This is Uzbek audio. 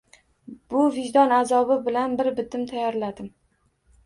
Bu vijdon azobi bilan bir bitim tayyorladim